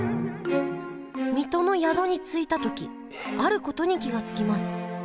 水戸の宿に着いた時あることに気が付きます。